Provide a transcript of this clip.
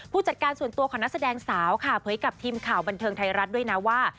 จัดการส่วนตัวของนักแสดงสาวค่ะเผยกับทีมข่าวบันเทิงไทยรัฐด้วยนะว่า